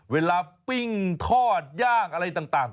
ปิ้งทอดย่างอะไรต่าง